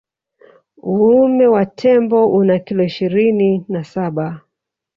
Uume wa tembo una kilo ishirini na saba